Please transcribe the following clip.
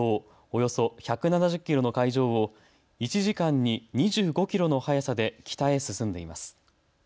およそ１７０キロの海上を１時間に２５キロの速さで北へ進んでいます。